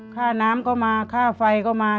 ค่าน้ำเขามาค่าไฟเขามา